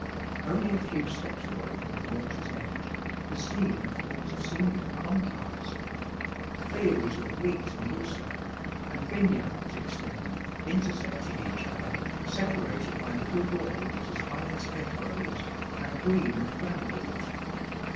Only a few steps away from the water's edge> the scene affords a singular contrast; fields of wheat and lucerne, and vineyards extend, inter secting each other, separated by little walls as high as hedgerows, and green with brambles.